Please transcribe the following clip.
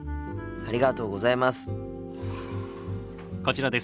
ありがとうございます。